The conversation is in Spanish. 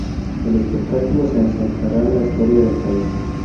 El espectáculo se centrará en la historia del país.